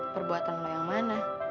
perbuatan lo yang mana